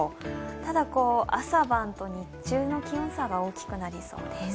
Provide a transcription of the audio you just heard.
ただ朝晩と日中の気温差が大きくなりそうです。